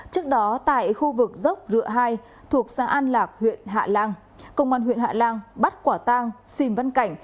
trước đó tại khu vực dốc rựa hai thuộc xã an lạc huyện hạ lan công an huyện hạ lan bắt quả tang sìm văn cảnh